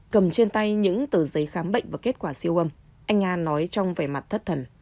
cầm trên tay những tờ giấy khám bệnh và kết quả siêu âm anh nga nói trong vẻ mặt thất thần